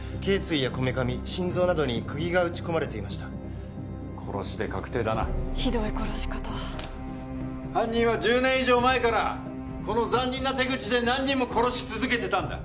い椎やこめかみ心臓などに釘が打ち込まれていました殺しで確定だなひどい殺し方犯人は１０年以上前からこの残忍な手口で何人も殺し続けてたんだ